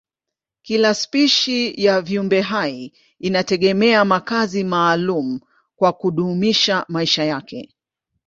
Kila spishi ya viumbehai inategemea makazi maalumu kwa kudumisha maisha yake.